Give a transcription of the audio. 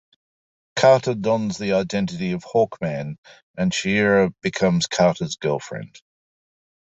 Carter dons the identity of Hawkman and Shiera becomes Carter's girlfriend.